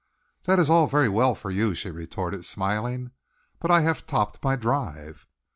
"That is all very well for you," she retorted, smiling, "but I have topped my drive."